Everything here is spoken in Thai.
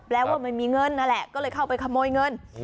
แปลว่ามันมีเงินนะแหละก็เลยเข้าไปขโมยเงิน